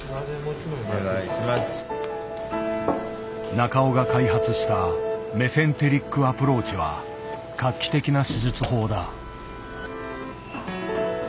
中尾が開発した「メセンテリック・アプローチ」は画期的な手術法だ。